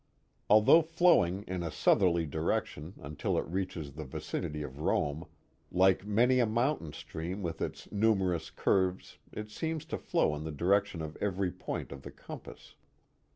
Although flowing in a southerly direction until it reaches the vicinity of Rome, like many a mountain stream with its numerous curves it seems to flow in the direction of every point of the compass.